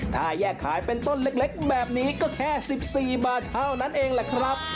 ถ้าแยกขายเป็นต้นเล็กแบบนี้ก็แค่๑๔บาทเท่านั้นเองแหละครับ